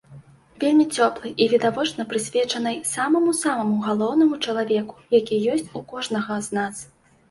Вельмі цёплай і, відавочна, прысвечанай самаму-самаму галоўнаму чалавеку, які ёсць у кожнага з нас.